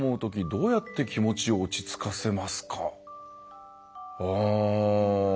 どうやって気持ちを落ち着かせる。